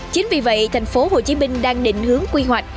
chính vì vậy thành phố hồ chí minh đang định hướng quy hoạch